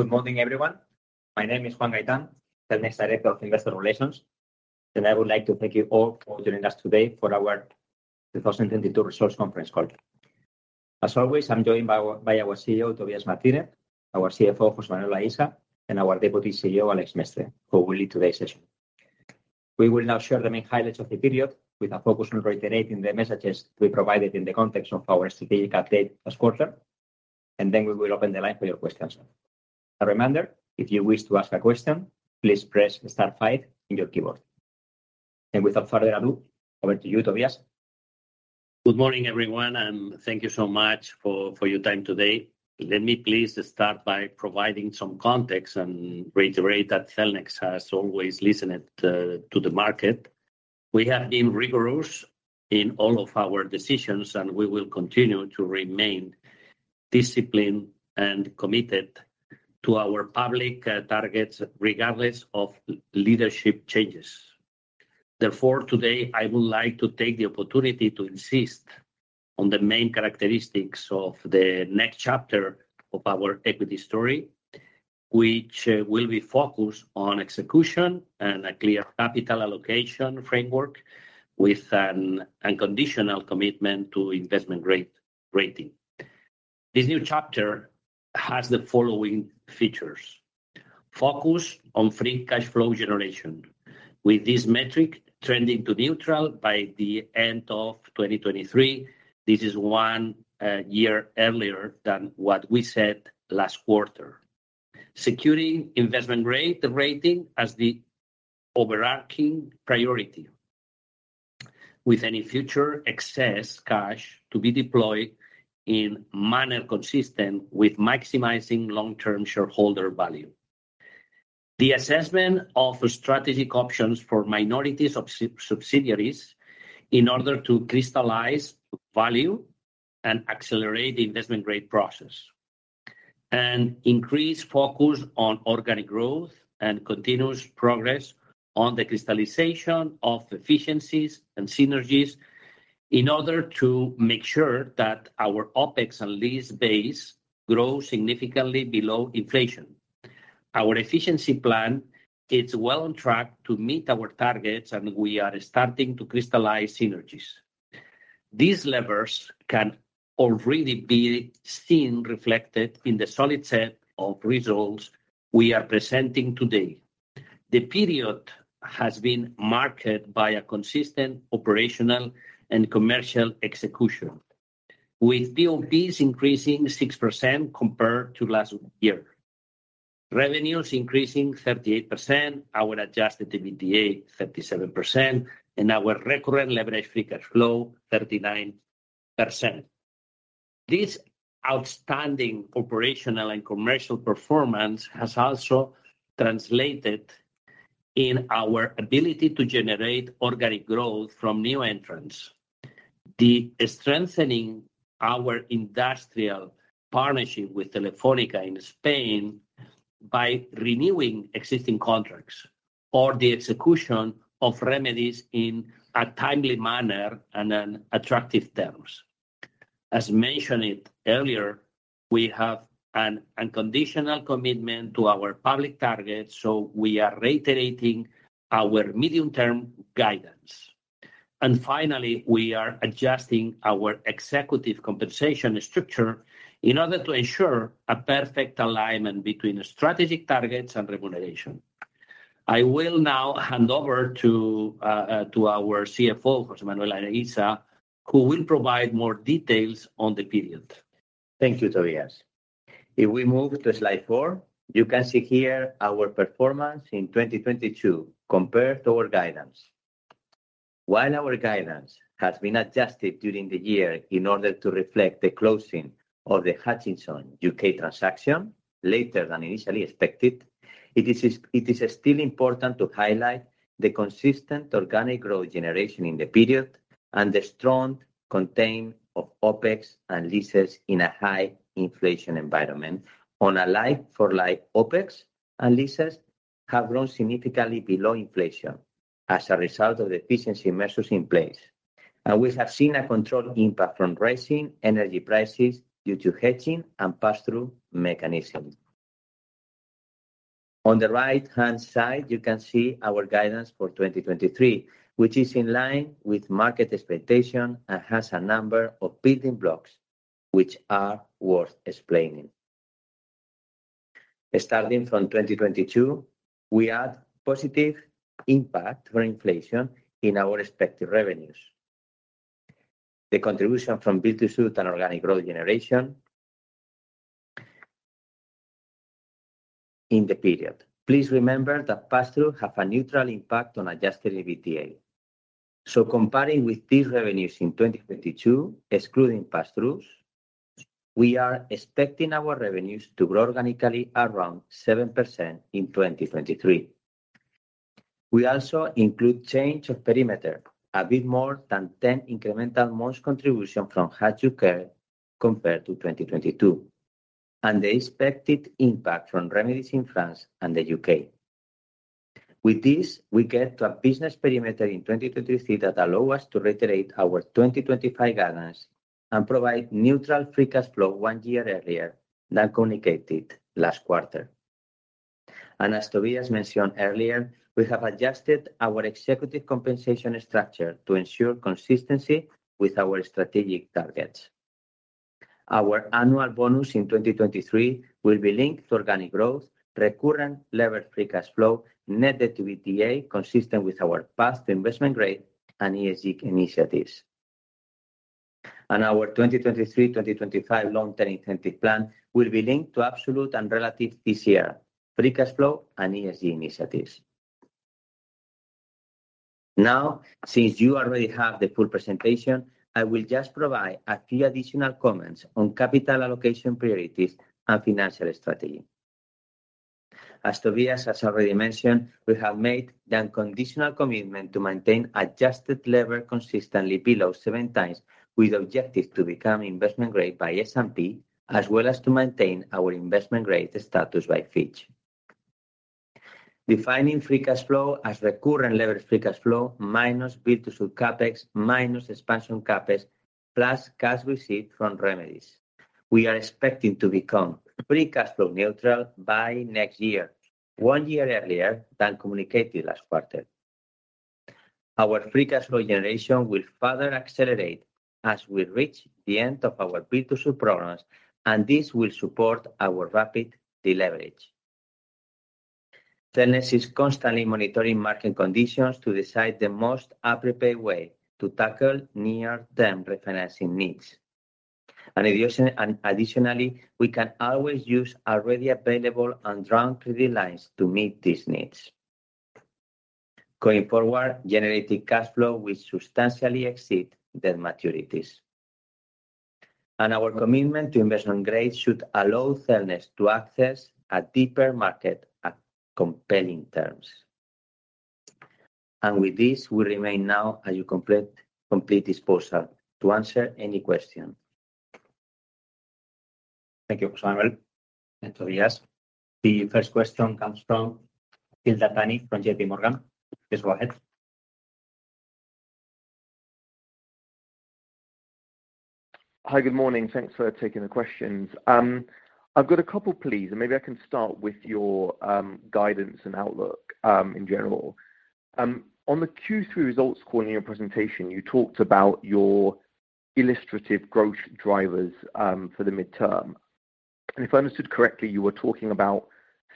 Good morning, everyone. My name is Juan Gaitán, the next Director of Investor Relations. I would like to thank you all for joining us today for our 2022 resource conference call. As always, I'm joined by our CEO, Tobias Martinez, our CFO, José Manuel Aisa, and our Deputy CEO, Àlex Mestre, who will lead today's session. We will now share the main highlights of the period with a focus on reiterating the messages we provided in the context of our strategic update last quarter. Then we will open the line for your questions. A reminder, if you wish to ask a question, please press starfive on your keyboard. Without further ado, over to you, Tobias. Good morning, everyone. Thank you so much for your time today. Let me please start by providing some context and reiterate that Cellnex has always listened to the market. We have been rigorous in all of our decisions, and we will continue to remain disciplined and committed to our public targets regardless of leadership changes. Therefore, today, I would like to take the opportunity to insist on the main characteristics of the next chapter of our equity story, which will be focused on execution and a clear capital allocation framework with an unconditional commitment to investment rating. This new chapter has the following features: Focus on free cash flow generation, with this metric trending to neutral by the end of 2023. This is one year earlier than what we said last quarter. Securing investment rating as the overarching priority, with any future excess cash to be deployed in manner consistent with maximizing long-term shareholder value. The assessment of strategic options for minority subsidiaries in order to crystallize value and accelerate the investment rate process. An increased focus on organic growth and continuous progress on the crystallization of efficiencies and synergies in order to make sure that our OpEx and lease base grow significantly below inflation. Our efficiency plan is well on track to meet our targets, and we are starting to crystallize synergies. These levers can already be seen reflected in the solid set of results we are presenting today. The period has been marked by a consistent operational and commercial execution, with PoPs increasing 6% compared to last year, revenues increasing 38%, our Adjusted EBITDA 37% and our Recurring Levered Free Cash Flow 39%. This outstanding operational and commercial performance has also translated in our ability to generate organic growth from new entrants. Strengthening our industrial partnership with Telefónica in Spain by renewing existing contracts or the execution of remedies in a timely manner and in attractive terms. As mentioned earlier, we have an unconditional commitment to our public target. We are reiterating our medium-term guidance. Finally, we are adjusting our executive compensation structure in order to ensure a perfect alignment between strategic targets and remuneration. I will now hand over to our CFO, José Manuel Aisa, who will provide more details on the period. Thank you, Tobias. If we move to slide four, you can see here our performance in 2022 compared to our guidance. While our guidance has been adjusted during the year in order to reflect the closing of the Hutchison UK transaction later than initially expected, it is still important to highlight the consistent organic growth generation in the period and the strong contain of OpEx and leases in a high inflation environment on a like-for-like OpEx, and leases have grown significantly below inflation as a result of the efficiency measures in place. We have seen a controlled impact from rising energy prices due to hedging and pass-through mechanism. On the right-hand side, you can see our guidance for 2023, which is in line with market expectation and has a number of building blocks which are worth explaining. Starting from 2022, we had positive impact from inflation in our respective revenues. The contribution from build-to-suit and organic growth generation in the period. Please remember that pass-through have a neutral impact on Adjusted EBITDA. Comparing with these revenues in 2022, excluding pass-throughs, we are expecting our revenues to grow organically around 7% in 2023. We also include change of perimeter, a bit more than 10 incremental months contribution from Hutchison compared to 2022, and the expected impact from remedies in France and the U.K. With this, we get to a business perimeter in 2023 that allow us to reiterate our 2025 guidance and provide neutral free cash flow one year earlier than communicated last quarter. As Tobias mentioned earlier, we have adjusted our executive compensation structure to ensure consistency with our strategic targets. Our annual bonus in 2023 will be linked to organic growth, Recurrent Levered Free Cash Flow, net activity consistent with our past investment grade and ESG initiatives. Our 2023-2025 long-term incentive plan will be linked to absolute and relative this year, free cash flow and ESG initiatives. Now, since you already have the full presentation, I will just provide a few additional comments on capital allocation priorities and financial strategy. As Tobias has already mentioned, we have made the unconditional commitment to maintain adjusted lever consistently below 7x, with objective to become investment grade by S&P, as well as to maintain our investment grade status by Fitch. Defining free cash flow as Recurrent Levered Free Cash Flow minus B2C CapEx, minus expansion CapEx, plus cash received from remedies. We are expecting to become free cash flow neutral by next year, one year earlier than communicated last quarter. Our free cash flow generation will further accelerate as we reach the end of our B2C programs, and this will support our rapid deleverage. Cellnex is constantly monitoring market conditions to decide the most appropriate way to tackle near-term refinancing needs. Additionally, we can always use already available and drawn credit lines to meet these needs. Going forward, generating cash flow will substantially exceed the maturities. Our commitment to investment grade should allow Cellnex to access a deeper market at compelling terms. With this, we remain now at your complete disposal to answer any question. Thank you, Juan Manuel and Tobias. The first question comes from Akhil Dattani from JPMorgan. Please go ahead. Hi. Good morning. Thanks for taking the questions. I've got a couple, please, and maybe I can start with your guidance and outlook in general. On the Q3 results call in your presentation, you talked about your illustrative growth drivers for the midterm. If I understood correctly, you were talking about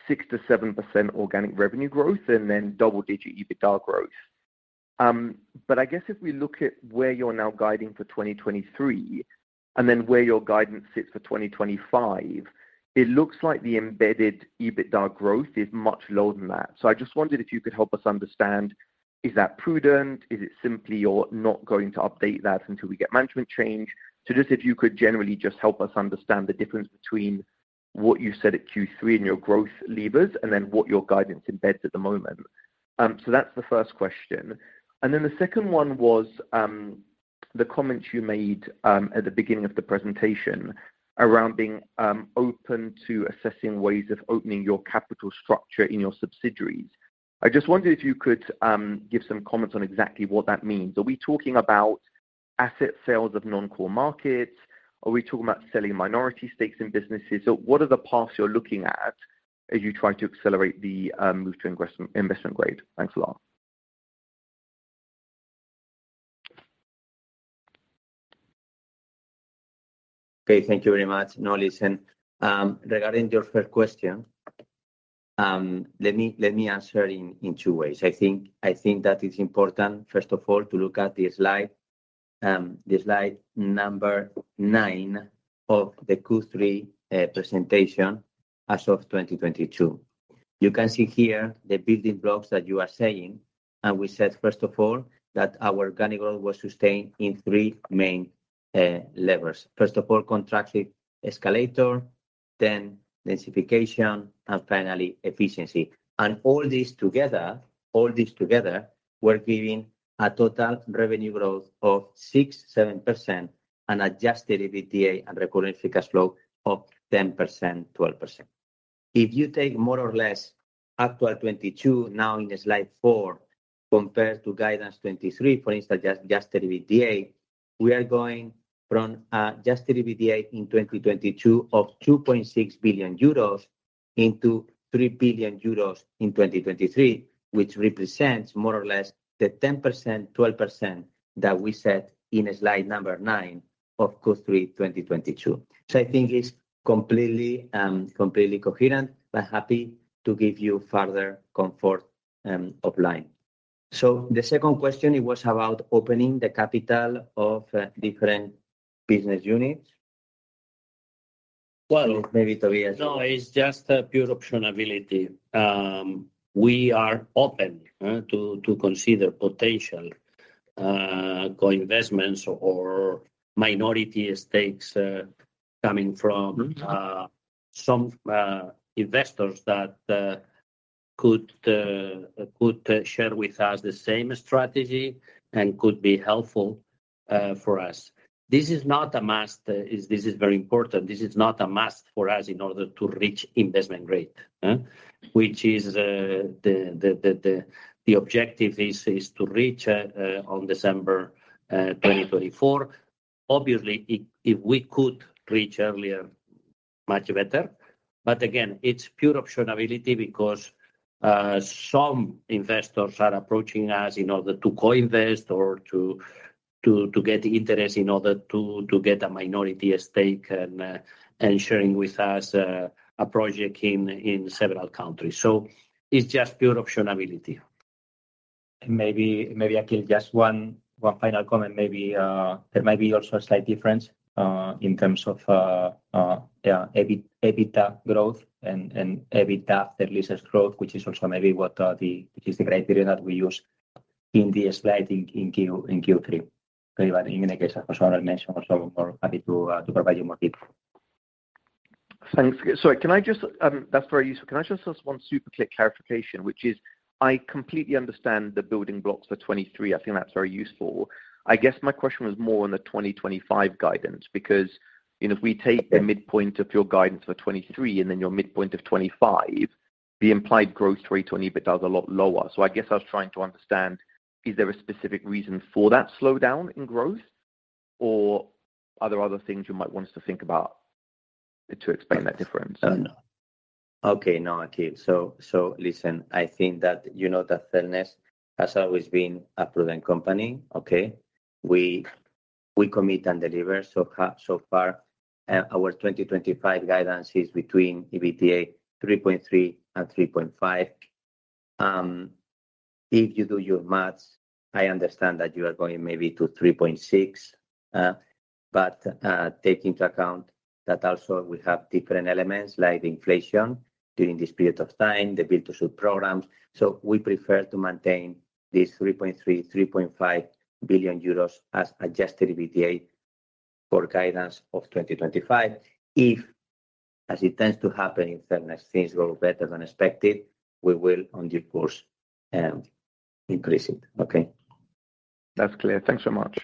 6%-7% organic revenue growth and then double-digit EBITDA growth. I guess if we look at where you're now guiding for 2023 and then where your guidance sits for 2025, it looks like the embedded EBITDA growth is much lower than that. I just wondered if you could help us understand, is that prudent? Is it simply you're not going to update that until we get management change? Just if you could generally just help us understand the difference between what you said at Q3 and your growth levers, and then what your guidance embeds at the moment. That's the first question. The second one was, the comments you made, at the beginning of the presentation around being open to assessing ways of opening your capital structure in your subsidiaries. I just wondered if you could give some comments on exactly what that means. Are we talking about asset sales of non-core markets? Are we talking about selling minority stakes in businesses? What are the paths you're looking at as you try to accelerate the move to investment grade? Thanks a lot. Okay. Thank you very much. Listen, regarding your first question, let me answer in two ways. I think that it's important, first of all, to look at the slide, the slide number nine of the Q3 presentation as of 2022. You can see here the building blocks that you are saying, we said, first of all, that our organic growth was sustained in three main levers. First of all, contracted escalator, then densification, and finally efficiency. All these together were giving a total revenue growth of 6%-7% and Adjusted EBITDA and recurrent free cash flow of 10%-12%. If you take more or less actual 2022 now in slide four compared to guidance 2023, for instance, Adjusted EBITDA, we are going from a Adjusted EBITDA in 2022 of 2.6 billion euros into 3 billion euros in 2023, which represents more or less the 10%, 12% that we set in slide number nine of Q3 2022. I think it's completely coherent, but happy to give you further comfort offline. The second question, it was about opening the capital of different business units. Maybe Tobias- No, it's just a pure option ability. We are open, to consider potential, co-inve.stments or minority stakes, coming from- Mm-hmm... some investors that could share with us the same strategy and could be helpful. For us, this is not a must. This is very important. This is not a must for us in order to reach investment grade, huh? Which is the objective is to reach on December 2024. Obviously, if we could reach earlier, much better. Again, it's pure optionality because some investors are approaching us in order to co-invest or to get interest in order to get a minority stake and sharing with us a project in several countries. It's just pure optionality. Maybe Akhil just one final comment. Maybe, there might be also a slight difference in terms of EBITDA growth and EBITDA de-leasers growth, which is also maybe which is the criteria that we use in the slide in Q3. In any case, as Tobias mentioned also, we're happy to provide you more detail. Thanks. Sorry, can I just. That's very useful. Can I just ask one super clear clarification, which is I completely understand the building blocks for 2023. I think that's very useful. I guess my question was more on the 2025 guidance, because, you know, if we take a midpoint of your guidance for 2023 and then your midpoint of 2025, the implied growth rate to EBITDA is a lot lower. I guess I was trying to understand, is there a specific reason for that slowdown in growth? Are there other things you might want us to think about to explain that difference? No. Okay. No, Akhil. Listen, I think that you know that Cellnex has always been a prudent company, okay? We commit and deliver. So far, our 2025 guidance is between EBITDA 3.3 and 3.5. If you do your maths, I understand that you are going maybe to 3.6. Take into account that also we have different elements like inflation during this period of time, the build-to-suit programs. We prefer to maintain this 3.3 billion-3.5 billion euros as Adjusted EBITDA for guidance of 2025. If, as it tends to happen in Cellnex, things go better than expected, we will on due course increase it. Okay? That's clear. Thanks so much.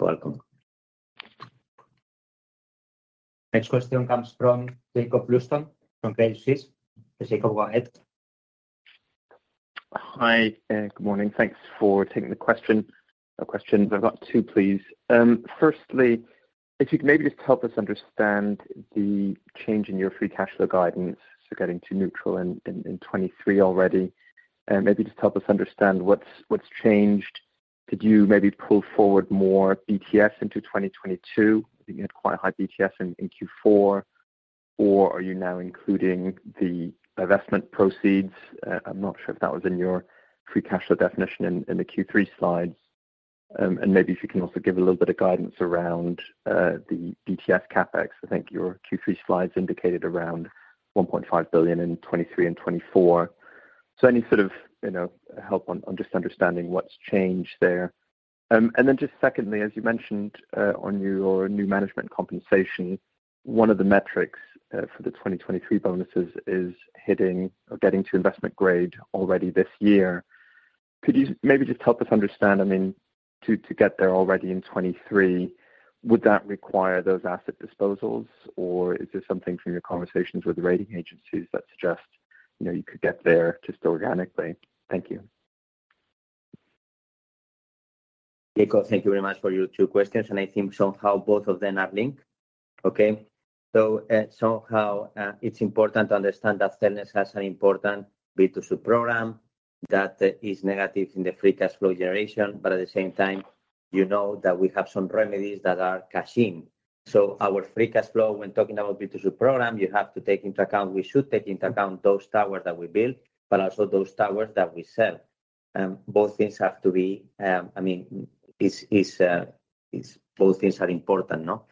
You're welcome. Next question comes from Jakob Bluestone from Credit Suisse. Jacob, go ahead. Hi, good morning. Thanks for taking the question. Not question, but I've got two, please. Firstly, if you could maybe just help us understand the change in your free cash flow guidance. Getting to neutral in 2023 already. Maybe just help us understand what's changed. Did you maybe pull forward more BTS into 2022? I think you had quite a high BTS in Q4, or are you now including the divestment proceeds? I'm not sure if that was in your free cash flow definition in the Q3 slides. Maybe if you can also give a little bit of guidance around the BTS CapEx. I think your Q3 slides indicated around 1.5 billion in 2023 and 2024. Any sort of, you know, help on just understanding what's changed there. Just secondly, as you mentioned, on your new management compensation, one of the metrics, for the 2023 bonuses is hitting or getting to investment grade already this year. Could you maybe just help us understand, I mean, to get there already in 2023, would that require those asset disposals, or is this something from your conversations with the rating agencies that suggest, you know, you could get there just organically? Thank you. Jakob, thank you very much for your two questions. I think somehow both of them are linked. Okay? Somehow, it's important to understand that Cellnex has an important B2C program that is negative in the free cash flow generation. At the same time, you know that we have some remedies that are cashing. Our free cash flow when talking about B2C program, you have to take into account, we should take into account those towers that we build, but also those towers that we sell. Both things have to be, I mean, both things are important, no?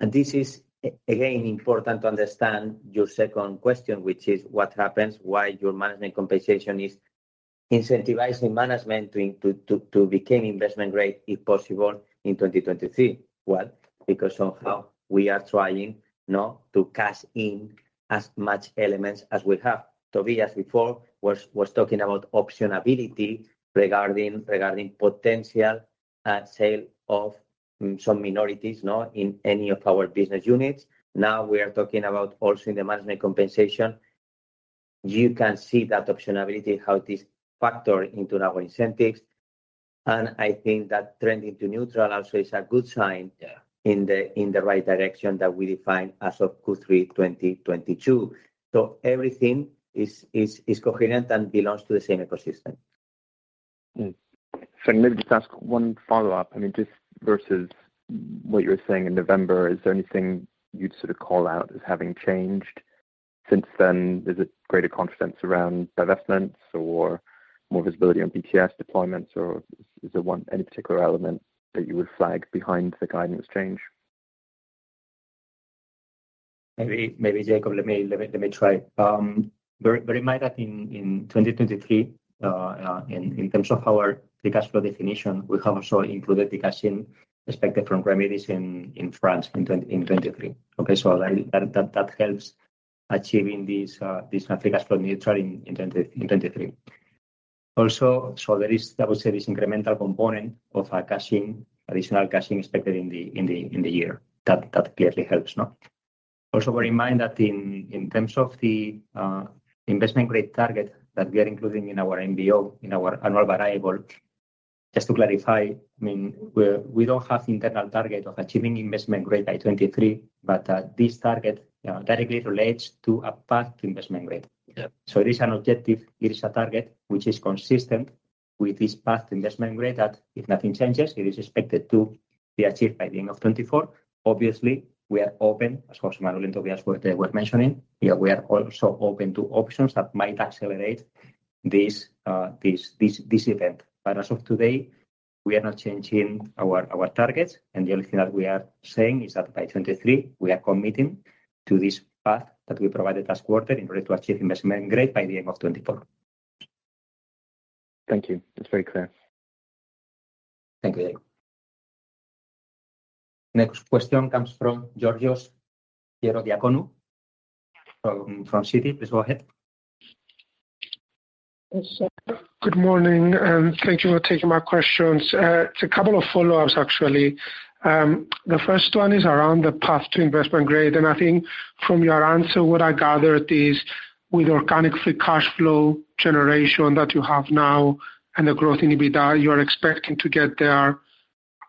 And this is again important to understand your second question, which is what happens, why your management compensation is incentivizing management to become investment grade if possible in 2023. Because somehow we are trying, no? To cash in as much elements as we have. Tobias before was talking about optionality regarding potential sale of some minorities, no? In any of our business units. Now we are talking about also in the management compensation. You can see that optionality, how it is factored into our incentives. I think that trending to neutral also is a good sign. Yeah. In the right direction that we defined as of Q3 2022. Everything is coherent and belongs to the same ecosystem. Maybe just ask one follow-up. I mean, just versus what you were saying in November, is there anything you'd sort of call out as having changed since then? Is it greater confidence around divestments or more visibility on BTS deployments, or is there one, any particular element that you would flag behind the guidance change? Maybe, Jakob, let me try. Very much that in 2023, in terms of our free cash flow definition, we have also included the cash in expected from remedies in France in 2023. Okay? That helps achieving this free cash flow neutral in 2023. There is, I would say, this incremental component of our cashing, additional cashing expected in the year. That clearly helps, no? Bear in mind that in terms of the investment grade target that we are including in our MBO, in our annual variable, just to clarify, I mean, we don't have internal target of achieving investment grade by 2023, this target, you know, directly relates to a path to investment grade. Yeah. It is an objective. It is a target which is consistent with this path to investment grade that if nothing changes, it is expected to be achieved by the end of 2024. Obviously, we are open, as José Manuel and Tobias were mentioning. Yeah, we are also open to options that might accelerate this event. As of today, we are not changing our targets. The only thing that we are saying is that by 2023, we are committing to this path that we provided as quarter in order to achieve investment grade by the end of 2024. Thank you. That's very clear. Thank you, Jakob. Next question comes from Georgios Ierodiaconou from Citi. Please go ahead. Yes. Good morning, thank you for taking my questions. It's a couple of follow-ups, actually. The first one is around the path to investment grade, I think from your answer, what I gathered is with organic free cash flow generation that you have now and the growth in EBITDA, you're expecting to get there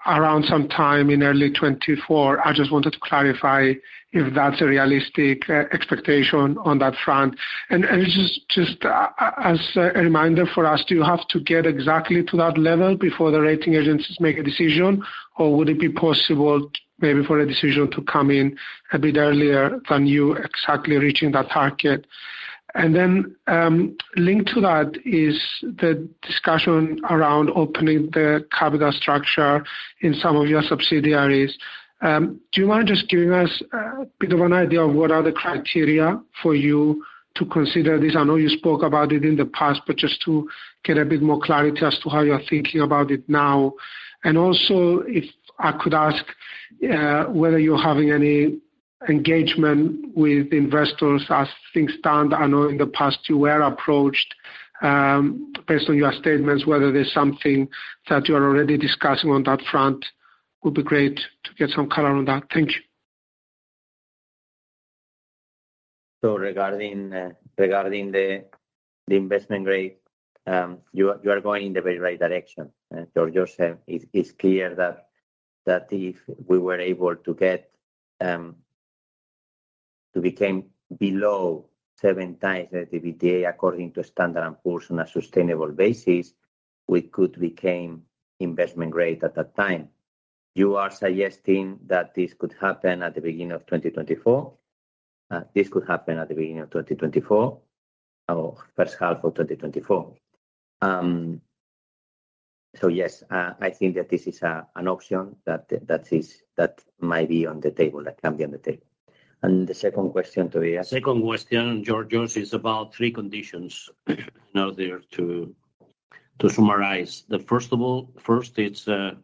around some time in early 2024. I just wanted to clarify if that's a realistic expectation on that front. Just as a reminder for us, do you have to get exactly to that level before the rating agencies make a decision, or would it be possible maybe for a decision to come in a bit earlier than you exactly reaching that target? Then, linked to that is the discussion around opening the capital structure in some of your subsidiaries. Do you mind just giving us a bit of an idea of what are the criteria for you to consider this? I know you spoke about it in the past, but just to get a bit more clarity as to how you're thinking about it now. And also, if I could ask, whether you're having any engagement with investors as things stand. I know in the past you were approached, based on your statements, whether there's something that you are already discussing on that front. Would be great to get some color on that. Thank you. Regarding, regarding the investment grade, you are going in the very right direction. Georgios, it's clear that if we were able to get to became below seven times the EBITDA according to Standard & Poor's on a sustainable basis, we could became investment grade at that time. You are suggesting that this could happen at the beginning of 2024? This could happen at the beginning of 2024 or first half of 2024. Yes, I think that this is an option that might be on the table, that can be on the table. The second question to be asked- Second question, Georgios, is about three conditions now there to summarize. First it's a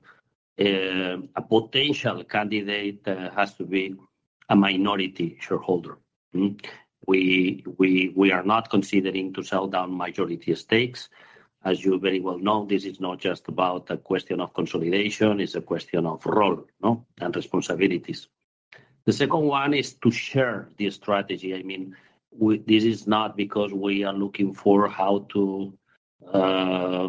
potential candidate has to be a minority shareholder. We are not considering to sell down majority stakes. As you very well know, this is not just about a question of consolidation. It's a question of role and responsibilities. The second one is to share the strategy. I mean, this is not because we are looking for how to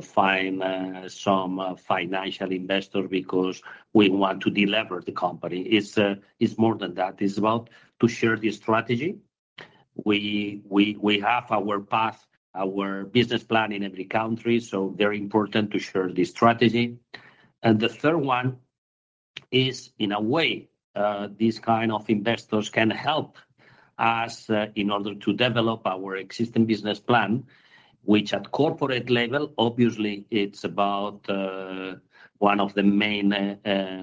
find some financial investor because we want to delever the company. It's more than that. It's about to share the strategy. We have our path, our business plan in every country, so very important to share the strategy. The third one is, in a way, these kind of investors can help us in order to develop our existing business plan, which at corporate level, obviously it's about one of the main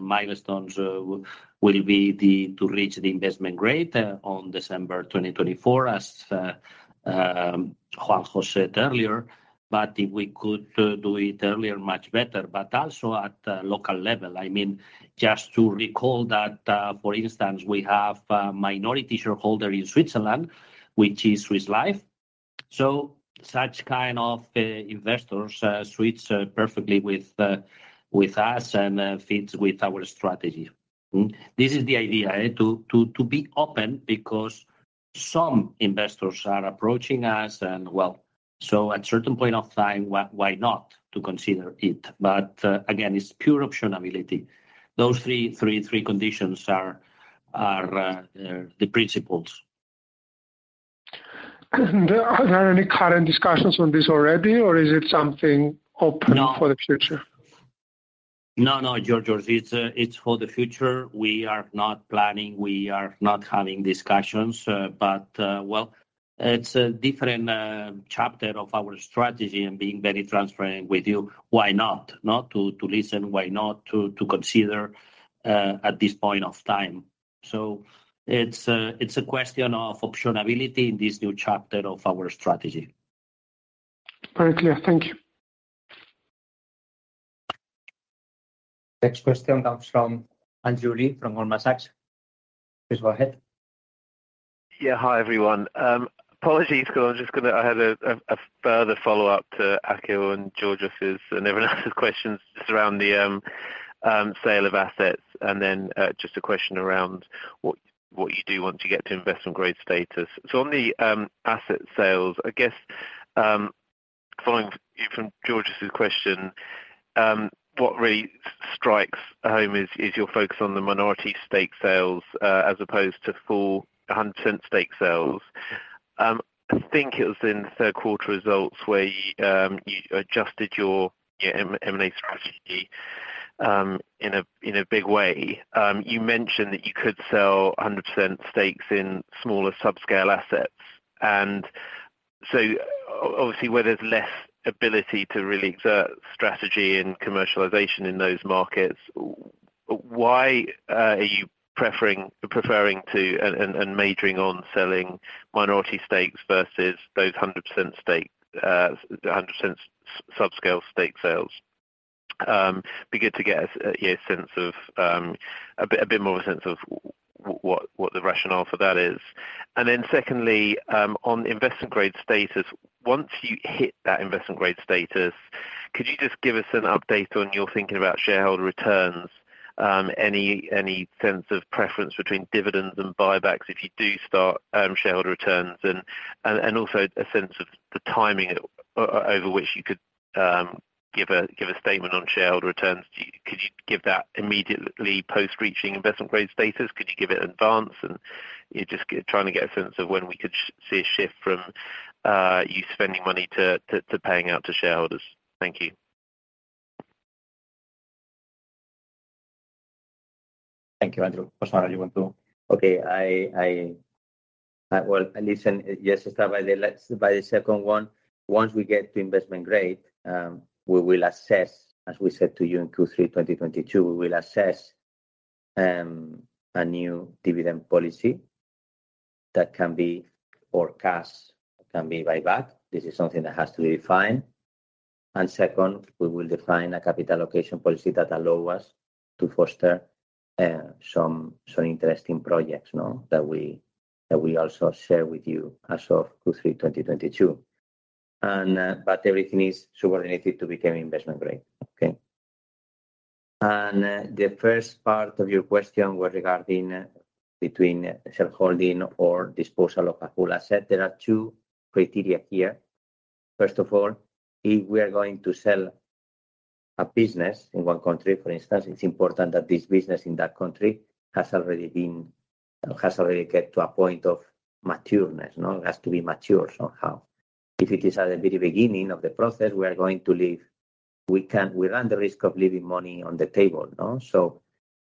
milestones will be to reach the investment grade on December 2024 as Juan Jose said earlier, but if we could do it earlier, much better. Also at the local level, I mean, just to recall that, for instance, we have a minority shareholder in Switzerland, which is Swiss Life. So such kind of investors suits perfectly with us and fits with our strategy. This is the idea. To be open because some investors are approaching us and, well, so at certain point of time, why not to consider it? Again, it's pure option ability. Those three conditions are the principles. Are there any current discussions on this already, or is it something for the future? No, Georgios, it's for the future. We are not planning. We are not having discussions. Well, it's a different chapter of our strategy and being very transparent with you. Why not? No, to listen, why not to consider, at this point of time? It's a question of option ability in this new chapter of our strategy. Very clear. Thank you. Next question comes from Andrew Lee from Goldman Sachs. Please go ahead. Yeah. Hi, everyone. Apologies because I'm just I had a further follow-up to Akhil and Georgios' and everyone else's questions just around the sale of assets. Just a question around what you do once you get to investment grade status. On the asset sales, I guess, following from Georgios' question, what really strikes home is your focus on the minority stake sales, as opposed to full 100% stake sales. I think it was in the third quarter results where you adjusted your M&A strategy in a big way. You mentioned that you could sell 100% stakes in smaller subscale assets. Obviously, where there's less ability to really exert strategy and commercialization in those markets, why are you preferring to and majoring on selling minority stakes versus those hundred percent stake, hundred percent subscale stake sales? Begin to get a sense of a bit more of a sense of what the rationale for that is. Secondly, on investment grade status, once you hit that investment grade status, could you just give us an update on your thinking about shareholder returns? Any sense of preference between dividends and buybacks if you do start shareholder returns and also a sense of the timing over which you could give a statement on shareholder returns. Could you give that immediately post reaching investment grade status? Could you give it in advance? Yeah, just trying to get a sense of when we could see a shift from you spending money to paying out to shareholders. Thank you. Thank you, Andrew.. José, do you want to? Okay. Well, at least, yes, start by the second one. Once we get to investment grade, we will assess, as we said to you in Q3 2022, we will assess a new dividend policy that can be forecast, can be buyback. This is something that has to be defined. Second, we will define a capital allocation policy that allow us to foster interesting projects, no, that we also share with you as of Q3 2022. Everything is subordinated to becoming investment grade. Okay? The first part of your question was regarding between shareholding or disposal of a whole asset. There are two criteria here. If we are going to sell a business in one country, for instance, it's important that this business in that country has already get to a point of matureness, no? It has to be mature somehow. If it is at the very beginning of the process, we are going to leave... We run the risk of leaving money on the table, no?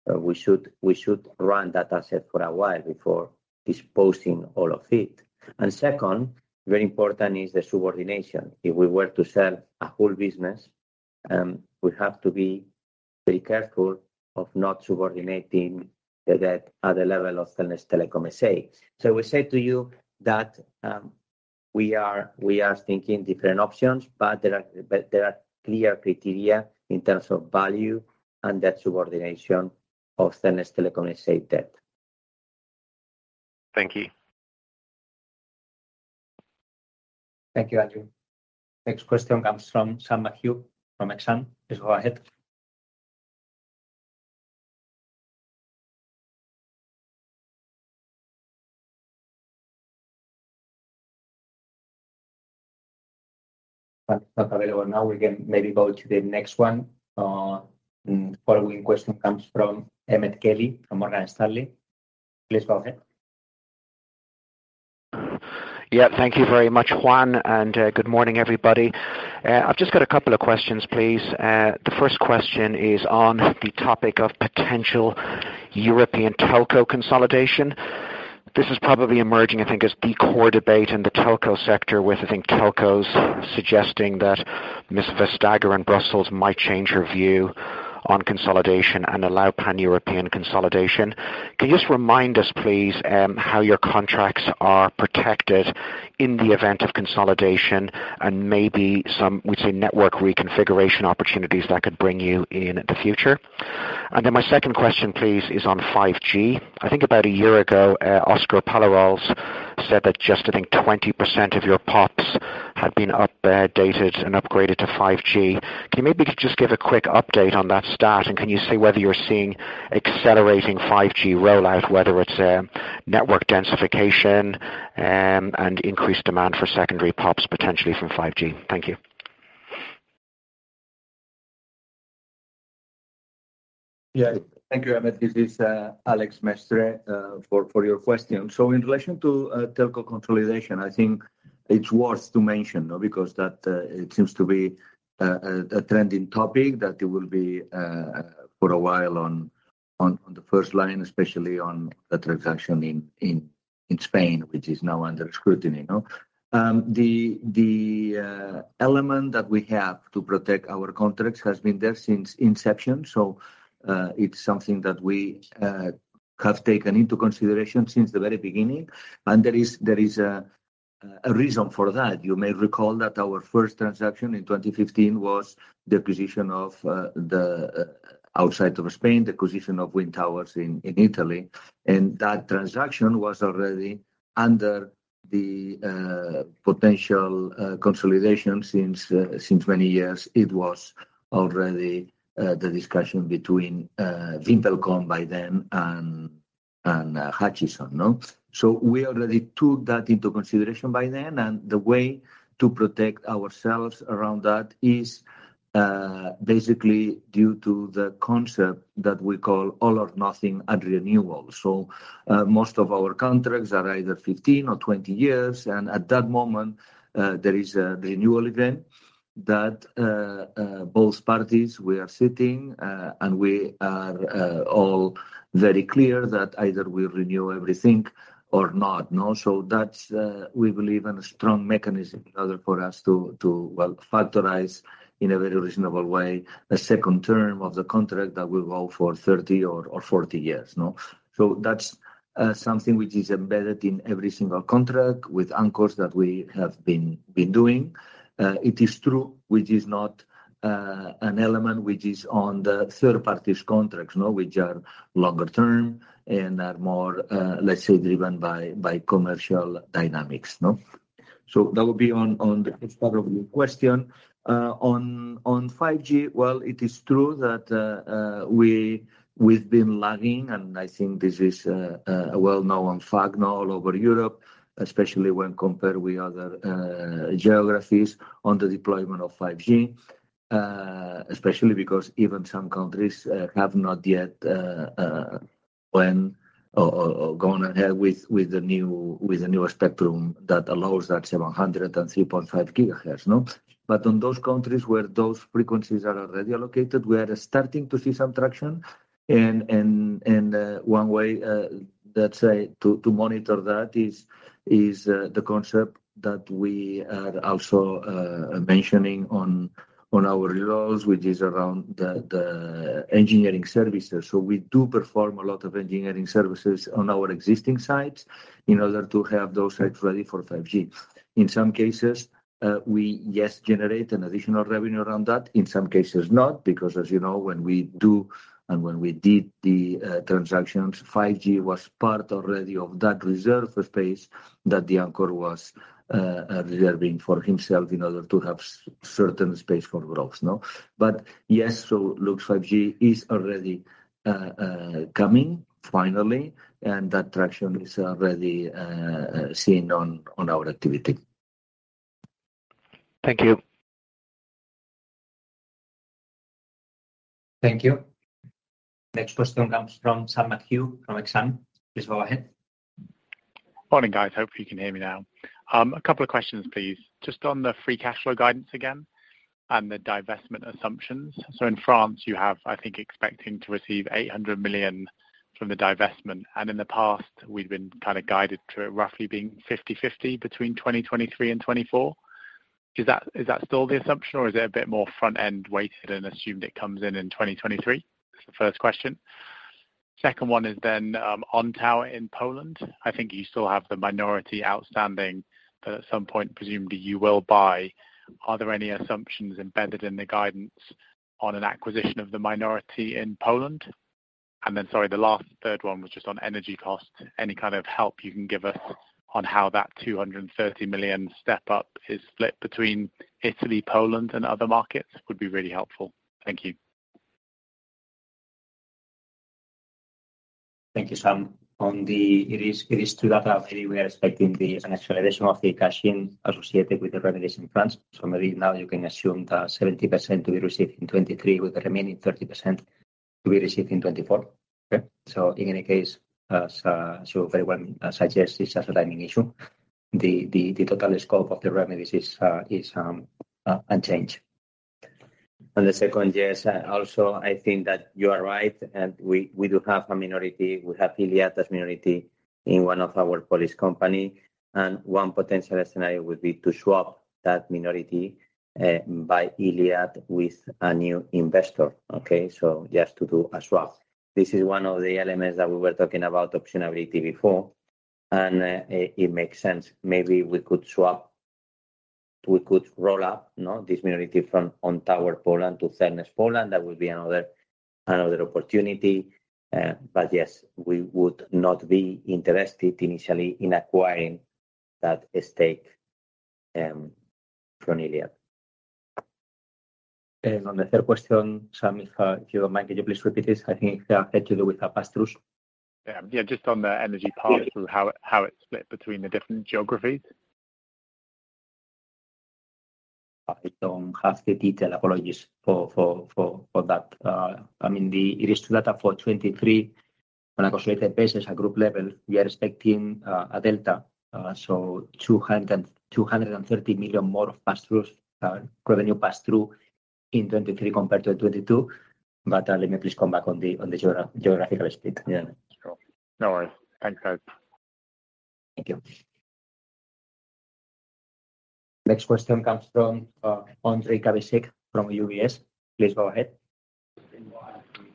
We should run that asset for a while before disposing all of it. Second, very important is the subordination. If we were to sell a whole business, we have to be very careful of not subordinating the debt at the level of Cellnex Telecom, S.A. We said to you that, we are thinking different options, but there are clear criteria in terms of value and debt subordination of Cellnex Telecom, S.A. debt. Thank you. Thank you, Andrew. Next question comes from Sam McHugh from Exane. Please go ahead. It's not available now. We can maybe go to the next one. Following question comes from Emmet Kelly from Morgan Stanley. Please go ahead. Yeah. Thank you very much, Juan, good morning, everybody. I've just got a couple of questions, please. The first question is on the topic of potential European telco consolidation. This is probably emerging, I think, as the core debate in the telco sector with, I think, telcos suggesting that Ms. Vestager in Brussels might change her view on consolidation and allow pan-European consolidation. Can you just remind us, please, how your contracts are protected in the event of consolidation and maybe some, we'd say, network reconfiguration opportunities that could bring you in the future? My second question, please, is on 5G. I think about a year ago, Oscar Pallarols said that just, I think, 20% of your PoPs had been updated and upgraded to 5G. Can you maybe just give a quick update on that stat? Can you say whether you're seeing accelerating 5G rollout, whether it's, network densification, and increased demand for secondary PoPs potentially from 5G? Thank you. Yeah. Thank you, Emmet. This is Àlex Mestre for your question. In relation to telco consolidation, I think it's worth to mention, no, because that it seems to be a trending topic that it will be for a while on the first line, especially on the transaction in Spain, which is now under scrutiny, no? The element that we have to protect our contracts has been there since inception, so it's something that we have taken into consideration since the very beginning. There is a A reason for that, you may recall that our first transaction in 2015 was the acquisition of the, outside of Spain, the acquisition of wind towers in Italy. That transaction was already under the potential consolidation since many years. It was already the discussion between Wind Telecom by then and Hutchison, no? We already took that into consideration by then, and the way to protect ourselves around that is basically due to the concept that we call all-or-nothing at renewal. Most of our contracts are either 15 or 20 years, and at that moment, there is a renewal event that both parties we are sitting and we are all very clear that either we renew everything or not, no. That's, we believe in a strong mechanism in order for us to, well, factorize in a very reasonable way a second term of the contract that will go for 30 or 40 years, no? That's something which is embedded in every single contract with anchors that we have been doing. It is true, which is not an element which is on the third party's contracts, no? Which are longer term and are more, let's say, driven by commercial dynamics, no? That would be on the first part of your question. On 5G, well, it is true that we've been lagging, and I think this is a well-known fact now all over Europe, especially when compared with other geographies on the deployment of 5G. Especially because even some countries have not yet plan or gone ahead with the new, with the newer spectrum that allows that 700 and 3.5 GHz, no? On those countries where those frequencies are already allocated, we are starting to see some traction. One way, let's say to monitor that is the concept that we are also mentioning on our laws, which is around the engineering services. We do perform a lot of engineering services on our existing sites in order to have those sites ready for 5G. In some cases, we, yes, generate an additional revenue around that, in some cases not, because as you know, when we do and when we did the transactions, 5G was part already of that reserve space that the anchor was reserving for himself in order to have certain space for growth, no? Yes, it looks 5G is already coming finally, and that traction is already seen on our activity. Thank you. Thank you. Next question comes from Sam McHugh from Exane. Please go ahead. Morning, guys. Hope you can hear me now. A couple of questions, please. Just on the free cash flow guidance again and the divestment assumptions. In France, you have, I think, expecting to receive 800 million from the divestment, and in the past, we've been kind of guided to it roughly being 50/50 between 2023 and 2024. Is that still the assumption, or is it a bit more front-end weighted and assumed it comes in in 2023? That's the first question. Second one is then on tower in Poland. I think you still have the minority outstanding that at some point, presumably, you will buy. Are there any assumptions embedded in the guidance on an acquisition of the minority in Poland? Then sorry, the last third one was just on energy costs. Any kind of help you can give us on how that 230 million step up is split between Italy, Poland and other markets would be really helpful. Thank you. Thank you, Sam. It is true that actually we are expecting an acceleration of the cash in associated with the remedies in France. Maybe now you can assume that 70% to be received in 2023, with the remaining 30% to be received in 2024. Okay? In any case, as so very well suggested, it's just a timing issue. The total scope of the remedies is unchanged. On the second, yes, also I think that you are right and we do have a minority. We have Iliad as minority in one of our Polish company, one potential scenario would be to swap that minority by Iliad with a new investor. Okay? Just to do a swap. This is one of the elements that we were talking about optionability before, it makes sense. Maybe we could swap. We could roll up, no, this minority from OnTower Poland to Cellnex Poland. That would be another opportunity. Yes, we would not be interested initially in acquiring that stake from Iliad. On the third question, Sam, if you don't mind, could you please repeat it? I think that had to do with the pass-throughs. Yeah, just on the energy pass-through, how it's split between the different geographies. I don't have the detail. Apologies for that. I mean, It is true that for 2023 on a consolidated basis at group level, we are expecting a delta, 230 million more of pass-throughs, revenue pass-through in 2023 compared to 2022. Let me please come back on the, on the geographical split. Yeah. No worries. Thanks, guys. Thank you. Next question comes from Ondrej Cabejsek from UBS. Please go ahead.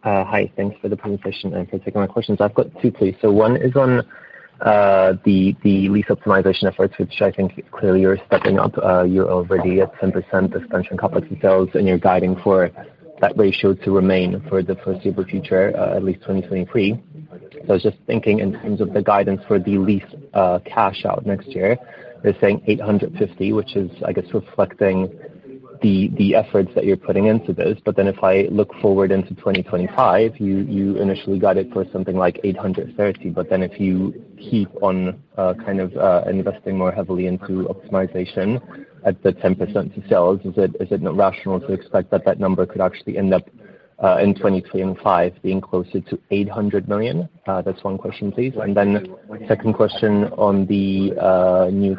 Hi. Thanks for the presentation and for taking my questions. I've got two, please. One is on the lease optimization efforts, which I think clearly you're stepping up. You're already at 10% expansion CapEx sales, and you're guiding for that ratio to remain for the foreseeable future, at least 2023. I was just thinking in terms of the guidance for the lease cash out next year. You're saying 850, which is, I guess, reflecting the efforts that you're putting into this. If I look forward into 2025, you initially got it for something like 830. If you keep on investing more heavily into optimization at the 10% to sales, is it rational to expect that that number could actually end up in 2025 being closer to 800 million? That's one question, please. Second question on the new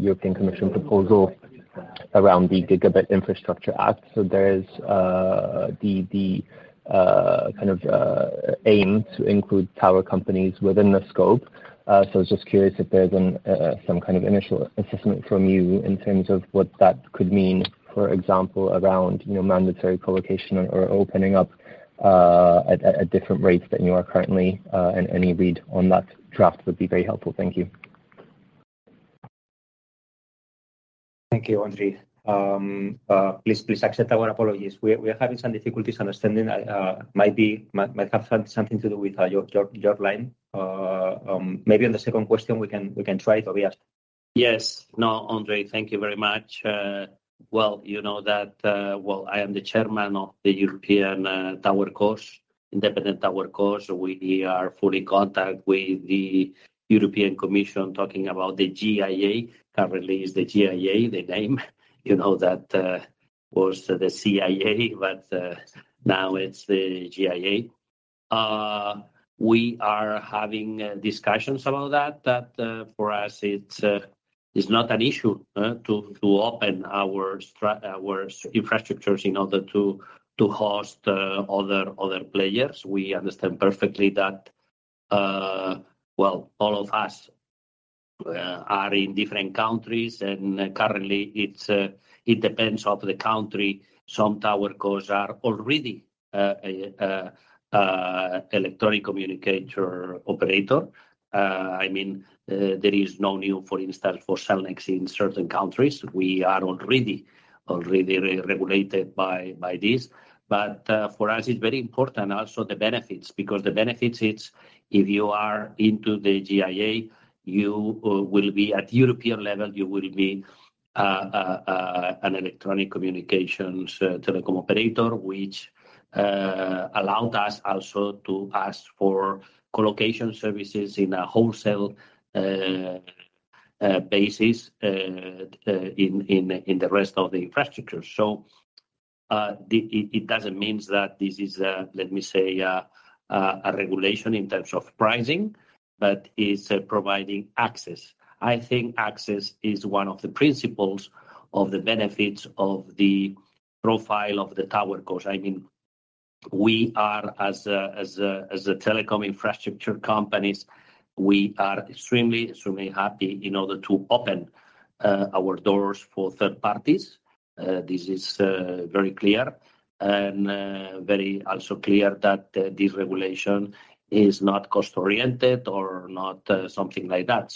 European Commission proposal around the Gigabit Infrastructure Act. There's the aim to include tower companies within the scope. Just curious if there's some kind of initial assessment from you in terms of what that could mean, for example, around, you know, mandatory co-location or opening up at different rates than you are currently. Any read on that draft would be very helpful. Thank you. Thank you, Ondrej. please accept our apologies. We are having some difficulties understanding. might have something to do with your line. maybe on the second question, we can try it, Tobias? Yes. No, Ondrej, thank you very much. You know that, I am the chairman of the European TowerCos, Independent TowerCos. We are fully contact with the European Commission talking about the GIA. Currently, it's the GIA, the name. You know that, was the GIA, but now it's the GIA. We are having discussions about that. That, for us, it is not an issue to open our infrastructures in order to host other players. We understand perfectly that, all of us are in different countries, and currently it's it depends of the country. Some TowerCos are already a electronic communications telecom operator. I mean, there is no new, for instance, for Cellnex in certain countries. We are already re-regulated by this. For us it's very important also the benefits. The benefits, it's if you are into the GIA, you will be at European level. You will be an electronic communications telecom operator, which allowed us also to ask for co-location services in a wholesale basis in the rest of the infrastructure. It doesn't means that this is, let me say, a regulation in terms of pricing but is providing access. I think access is one of the principles of the benefits of the profile of the Tower Cores. I mean, we are as a telecom infrastructure companies, we are extremely happy in order to open our doors for third parties. This is very clear. Very also clear that this regulation is not cost-oriented or not something like that.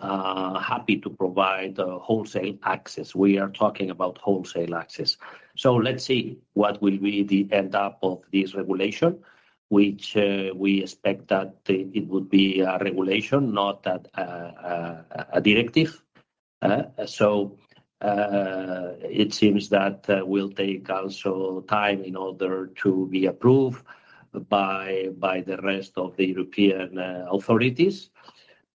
Happy to provide wholesale access. We are talking about wholesale access. Let's see what will be the end up of this regulation, which we expect that it would be a regulation, not a directive. It seems that will take also time in order to be approved by the rest of the European authorities.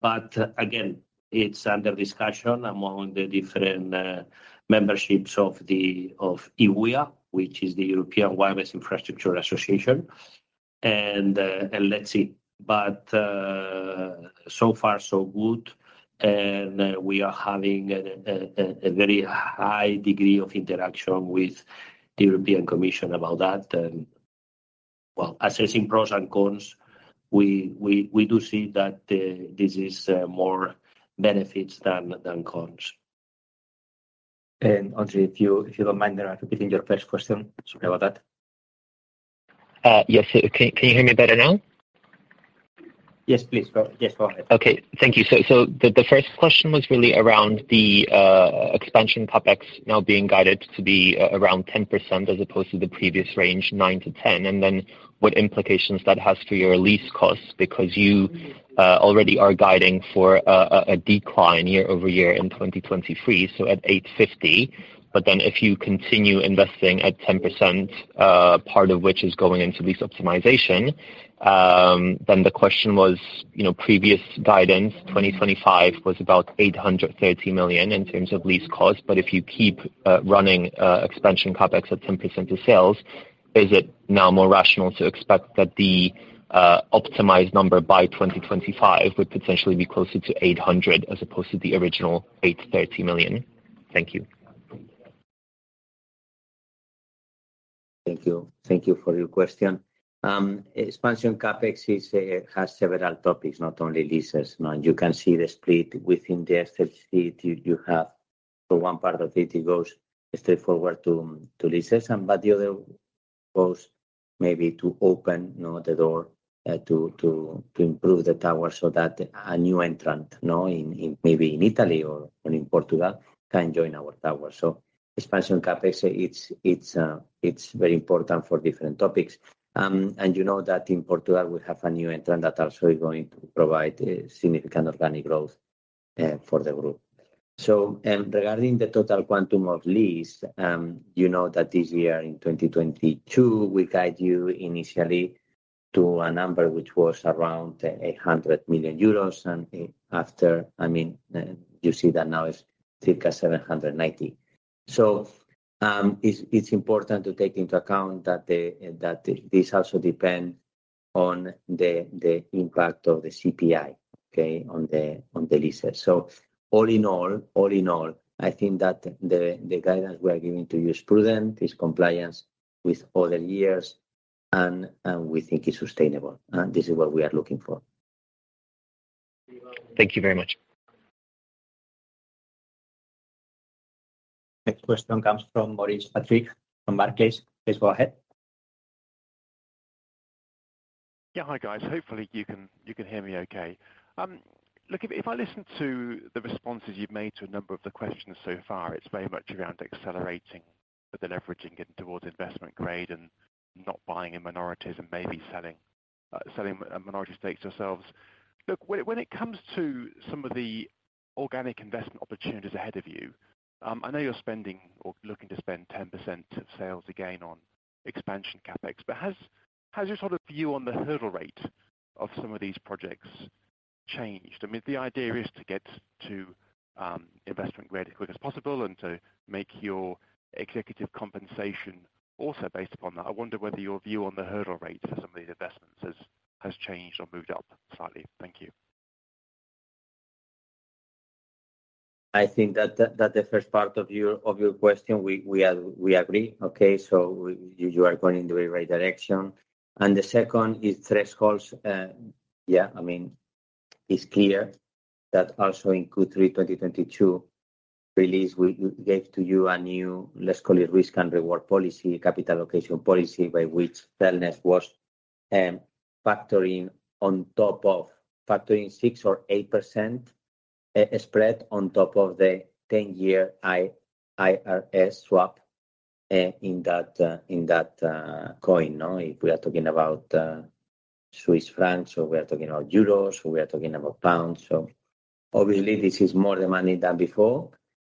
Again, it's under discussion among the different memberships of EWIA, which is the European Wireless Infrastructure Association. Let's see. So far so good. We are having a very high degree of interaction with the European Commission about that. Well, assessing pros and cons, we do see that this is more benefits than cons. Ondrej, if you don't mind, I repeat your first question. Sorry about that. Yes. Can you hear me better now? Yes, please. Go. Yes, go ahead. Okay. Thank you. The first question was really around the expansion CapEx now being guided to be around 10% as opposed to the previous range, 9%-10%, and then what implications that has to your lease costs. Because you already are guiding for a decline year-over-year in 2023, so at 850 million. If you continue investing at 10%, part of which is going into lease optimization, the question was, you know, previous guidance, 2025 was about 830 million in terms of lease costs. If you keep running expansion CapEx at 10% of sales, is it now more rational to expect that the optimized number by 2025 would potentially be closer to 800 million as opposed to the original 830 million? Thank you. Thank you. Thank you for your question. Expansion CapEx has several topics, not only leases. Now, you can see the split within the SFC. You have. One part of it goes straight forward to leases, but the other goes maybe to open, you know, the door to improve the tower so that a new entrant, you know, in maybe in Italy or, and in Portugal can join our tower. Expansion CapEx, it's very important for different topics. You know that in Portugal we have a new entrant that also is going to provide a significant organic growth for the group. Regarding the total quantum of lease, you know that this year in 2022, we guide you initially to a number which was around 800 million euros. I mean, you see that now it's circa 790 million. It's important to take into account that this also depend on the impact of the CPI, okay. On the leases. All in all, I think that the guidance we are giving to you is prudent, is compliance with other years, and we think it's sustainable. This is what we are looking for. Thank you very much. Next question comes from Maurice Patrick from Barclays. Please go ahead. Yeah. Hi, guys. Hopefully you can hear me okay. Look, if I listen to the responses you've made to a number of the questions so far, it's very much around accelerating the leveraging towards investment grade and not buying in minorities and maybe selling minority stakes ourselves. Look, when it comes to some of the organic investment opportunities ahead of you, I know you're spending or looking to spend 10% of sales again on expansion CapEx, but has your sort of view on the hurdle rate of some of these projects changed? I mean, the idea is to get to investment grade as quick as possible and to make your executive compensation also based upon that. I wonder whether your view on the hurdle rate for some of these investments has changed or moved up slightly. Thank you. I think that the first part of your question, we are, we agree. Okay. You are going in the right direction. The second is thresholds. Yeah, I mean, it's clear that also in Q3 2022 release, we gave to you a new, let's call it risk and reward policy, capital allocation policy, by which Cellnex was factoring 6% or 8% spread on top of the 10-year IRS swap in that, in that coin, no? If we are talking about Swiss francs or we are talking about euros or we are talking about pounds. Obviously this is more the money than before,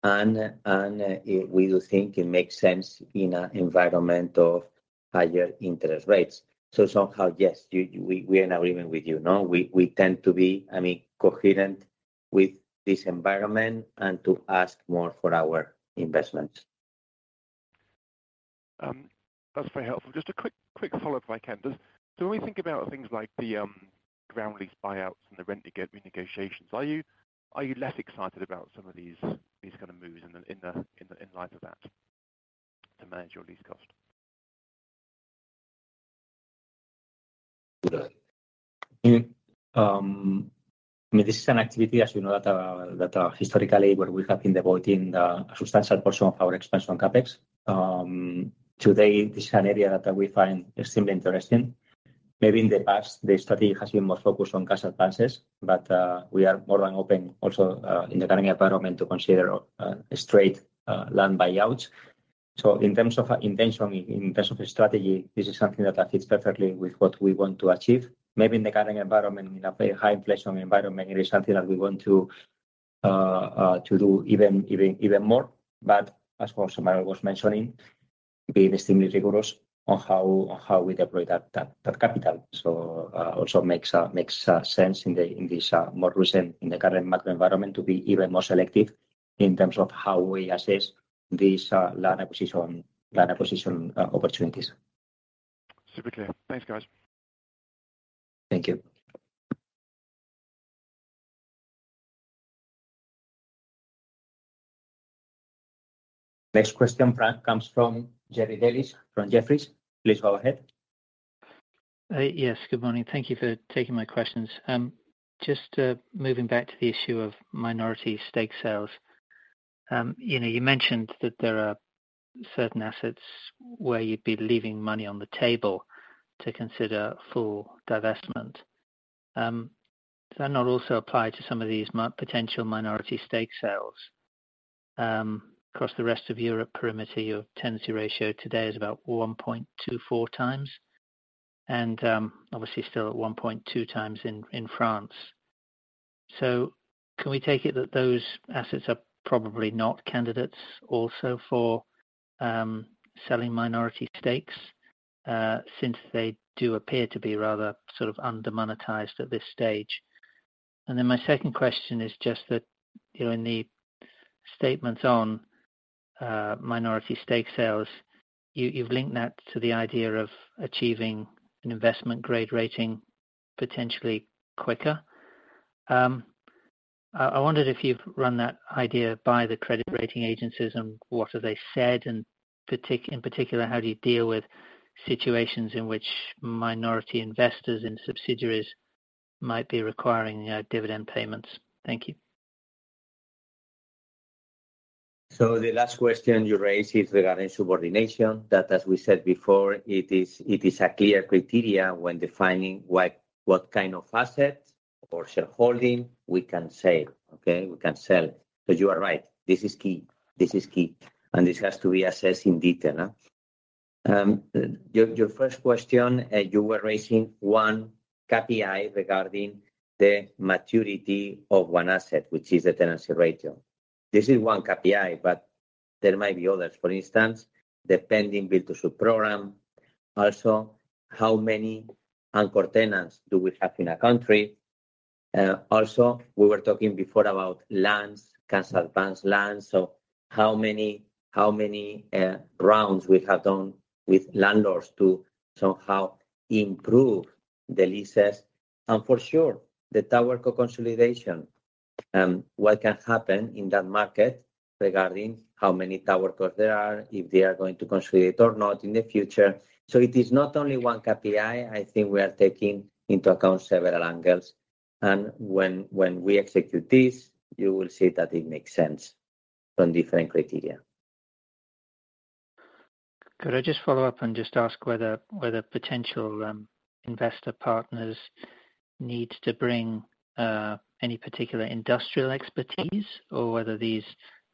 and it we think it makes sense in an environment of higher interest rates. Somehow, yes, you, we are in agreement with you, no? We tend to be, I mean, coherent with this environment and to ask more for our investments. That's very helpful. Just a quick follow-up I can. When we think about things like the ground lease buyouts and the rent renegotiations, are you less excited about some of these kind of moves in the light of that to manage your lease cost? I mean, this is an activity, as you know, that historically where we have been devoting a substantial portion of our expansion CapEx. Today, this is an area that we find extremely interesting. Maybe in the past, the study has been more focused on cash advances, but we are more than open also in the current environment to consider straight land buyouts. In terms of intention, in terms of strategy, this is something that fits perfectly with what we want to achieve. Maybe in the current environment, in a very high inflation environment, it is something that we want to do even more. As also Manuel was mentioning, being extremely rigorous on how we deploy that capital. Also makes sense in the in this more recent, in the current macro environment to be even more selective in terms of how we assess these land acquisition opportunities. Super clear. Thanks, guys. Thank you. Next question, Frank, comes from Jerry Dellis from Jefferies. Please go ahead. Yes. Good morning. Thank you for taking my questions. Just moving back to the issue of minority stake sales, you know, you mentioned that there are certain assets where you'd be leaving money on the table to consider full divestment. Does that not also apply to some of these potential minority stake sales? Across the rest of Europe perimeter, your tenancy ratio today is about 1.24x, and obviously still at 1.2x in France. Can we take it that those assets are probably not candidates also for selling minority stakes, since they do appear to be rather sort of under-monetized at this stage? My second question is just that, you know, in the statements on minority stake sales, you've linked that to the idea of achieving an investment grade rating potentially quicker. I wondered if you've run that idea by the credit rating agencies and what have they said? In particular, how do you deal with situations in which minority investors in subsidiaries might be requiring dividend payments. Thank you. The last question you raised is regarding subordination that, as we said before, it is a clear criteria when defining what kind of asset or shareholding we can say, okay, we can sell. You are right, this is key. This is key. This has to be assessed in detail. Your first question, you were raising one KPI regarding the maturity of one asset, which is the tenancy ratio. This is one KPI, but there might be others. For instance, the pending build-to-suit program. How many anchor tenants do we have in a country? We were talking before about lands, cancer advanced lands. How many rounds we have done with landlords to somehow improve the leases? For sure, the tower co-consolidation, what can happen in that market regarding how many towercos there are, if they are going to consolidate or not in the future. It is not only one KPI. I think we are taking into account several angles. When we execute this, you will see that it makes sense from different criteria. Could I just follow up and just ask whether potential investor partners need to bring any particular industrial expertise or whether these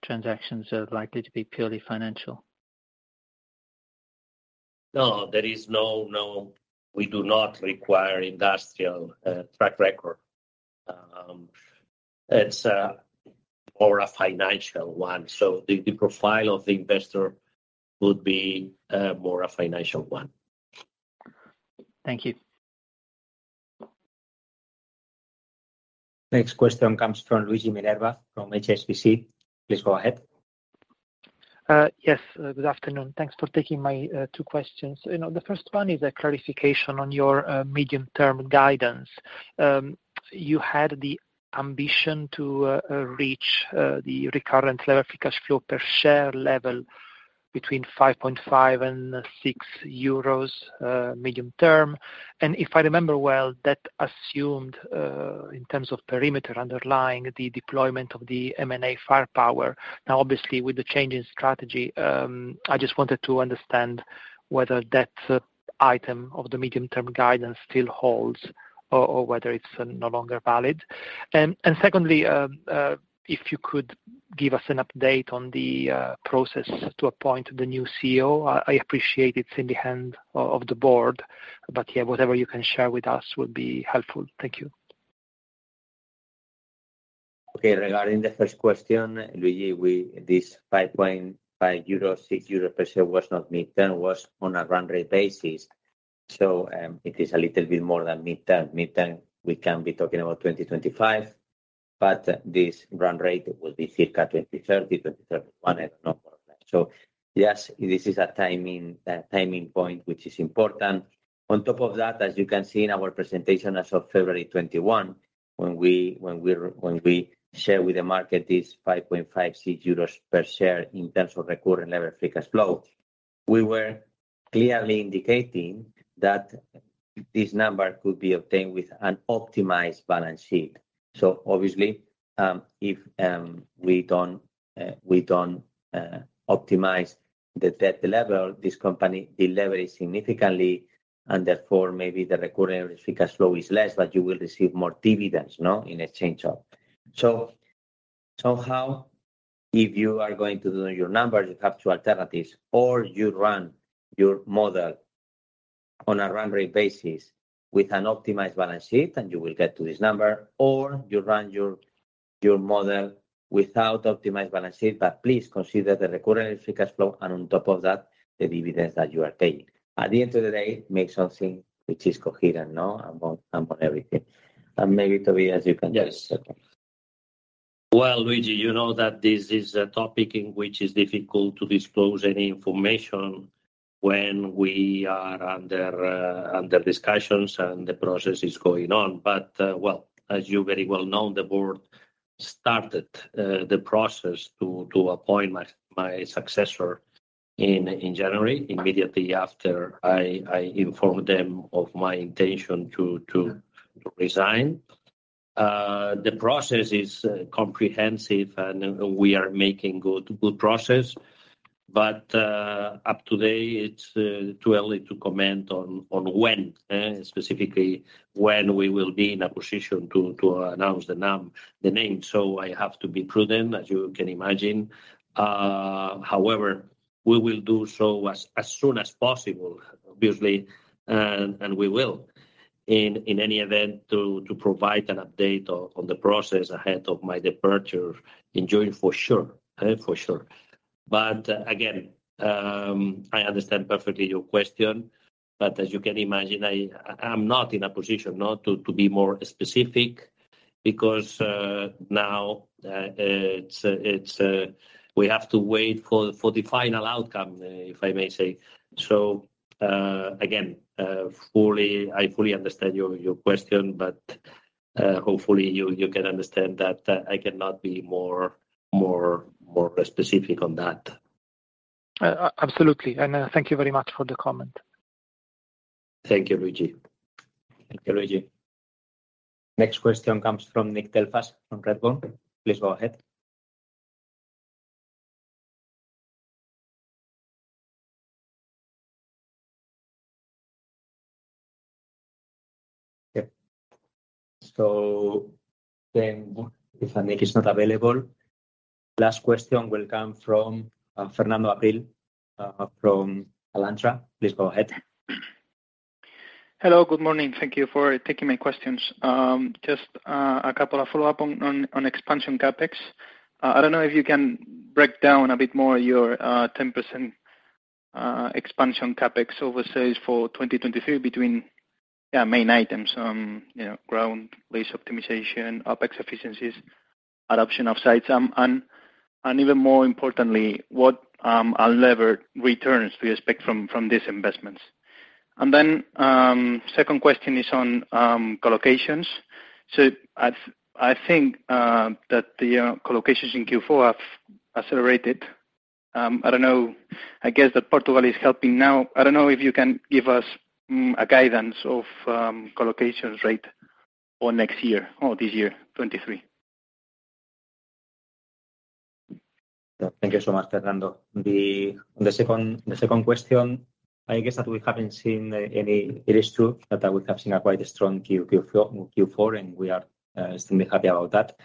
transactions are likely to be purely financial? No, there is no. We do not require industrial track record. It's more a financial one. The profile of the investor would be more a financial one. Thank you. Next question comes from Luigi Minerva from HSBC. Please go ahead. Yes. Good afternoon. Thanks for taking my two questions. You know, the first one is a clarification on your medium-term guidance. You had the ambition to reach the Recurrent Levered Free Cash Flow per share level between 5.5 and 6 euros, medium term. If I remember well, that assumed in terms of perimeter underlying the deployment of the M&A firepower. Now, obviously with the change in strategy, I just wanted to understand whether that item of the medium-term guidance still holds or whether it's no longer valid. Secondly, if you could give us an update on the process to appoint the new CEO. I appreciate it's in the hand of the board, yeah, whatever you can share with us would be helpful. Thank you. Okay. Regarding the first question, Luigi, this 5.5 euros, 6 euros per share was not mid-term, was on a run rate basis. It is a little bit more than mid-term. Mid-term, we can be talking about 2025, but this run rate will be circa 2030, 2031, I don't know. Yes, this is a timing point, which is important. On top of that, as you can see in our presentation as of February 2021, when we share with the market this 5.5 euros, EUR 6 per share in terms of recurrent level free cash flow, we were clearly indicating that this number could be obtained with an optimized balance sheet. Obviously, if we don't optimize the debt level, this company delever it significantly, and therefore, maybe the Recurrent Free Cash Flow is less, but you will receive more dividends, no? In exchange of. Somehow, if you are going to do your numbers, you have two alternatives, or you run your model on a run rate basis with an optimized balance sheet, and you will get to this number, or you run your model without optimized balance sheet, but please consider the Recurrent Free Cash Flow and on top of that, the dividends that you are paying. At the end of the day, make something which is coherent, no? About everything. Maybe, Tobias, you can. Yes. Okay. Well, Luigi, you know that this is a topic in which is difficult to disclose any information when we are under discussions and the process is going on. Well, as you very well know, the board started the process to appoint my successor in January, immediately after I informed them of my intention to resign. Up to date, it's too early to comment on when specifically when we will be in a position to announce the name. I have to be prudent, as you can imagine. However, we will do so as soon as possible, obviously, and we will in any event to provide an update on the process ahead of my departure in June for sure. For sure. Again, I understand perfectly your question, but as you can imagine, I'm not in a position, no, to be more specific because now it's we have to wait for the final outcome, if I may say so. Again, I fully understand your question, but hopefully you can understand that I cannot be more specific on that. Absolutely. Thank you very much for the comment. Thank you, Luigi. Thank you, Luigi. Next question comes from Nick Delfas from Redburn. Please go ahead. Okay. If Nick is not available, last question will come from Fernando Abril from Alantra. Please go ahead. Hello, good morning. Thank you for taking my questions. Just a couple of follow-up on expansion CapEx. I don't know if you can break down a bit more your 10% expansion CapEx over sales for 2023 between main items. You know, ground lease optimization, OpEx efficiencies, adoption of sites. Even more importantly, what unlevered returns do you expect from these investments? Second question is on colocations. I think that the colocations in Q4 have accelerated. I don't know. I guess that Portugal is helping now. I don't know if you can give us a guidance of colocations rate for next year or this year, 2023. Thank you so much, Fernando. On the second question, I guess that we haven't seen any. It is true that we have seen a quite strong Q4, and we are extremely happy about that.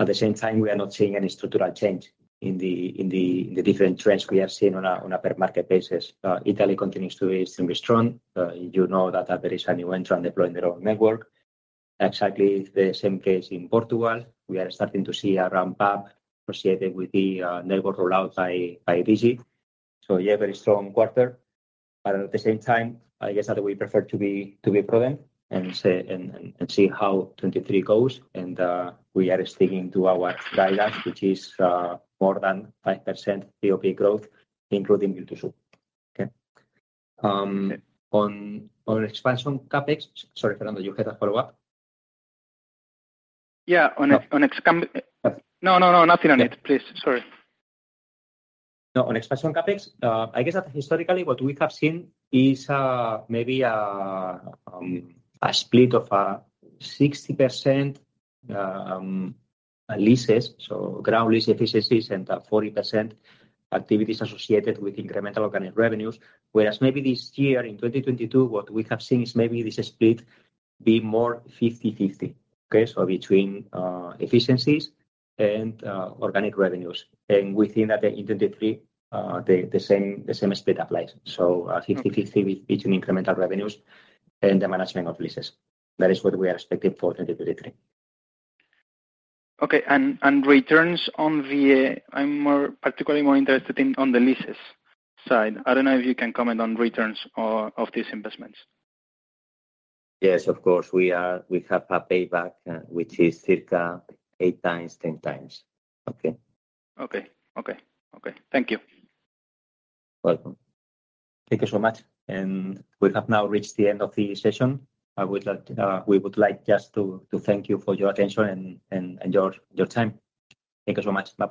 At the same time, we are not seeing any structural change in the different trends we have seen on a per market basis. Italy continues to be extremely strong. You know that there is a new entrant deploying their own network. Exactly the same case in Portugal. We are starting to see a ramp-up associated with the network rollout by Digi. Yeah, very strong quarter, but at the same time, I guess that we prefer to be prudent and say, and see how 23 goes. We are sticking to our guidance, which is more than 5% POP growth, including B2C. Okay. On expansion CapEx... Sorry, Fernando, you had a follow-up? Yeah. On No. On ex... Uh. Yeah. No, no. Nothing on it, please. Sorry. No. On expansion CapEx, I guess that historically what we have seen is maybe a split of 60% leases, so ground lease efficiencies and 40% activities associated with incremental organic revenues. Whereas maybe this year in 2022, what we have seen is maybe this split be more 50/50. Okay? So between efficiencies and organic revenues. We think that in 2023, the same split applies. Okay... 50/50 between incremental revenues and the management of leases. That is what we are expecting for 2023. Okay. I'm more, particularly more interested in on the leases side. I don't know if you can comment on returns or of these investments. Yes, of course. We have a payback, which is circa 8x, 10x. Okay? Okay. Okay. Okay. Thank you. Welcome. Thank you so much. We have now reached the end of the session. I would like, we would like just to thank you for your attention and your time. Thank you so much. Bye-bye.